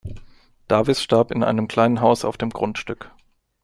Davis starb in einem kleinen Haus auf dem Grundstück.